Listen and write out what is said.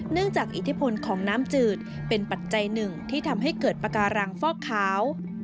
จากอิทธิพลของน้ำจืดเป็นปัจจัยหนึ่งที่ทำให้เกิดปากการังฟอกขาว